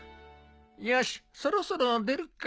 よしそろそろ出るか。